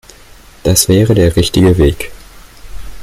Das wäre der richtige Weg.